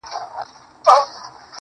دا به چيري خيرن سي.